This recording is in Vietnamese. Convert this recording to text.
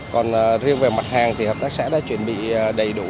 còn riêng về mặt hàng thì hợp tác xã đã chuẩn bị đầy đủ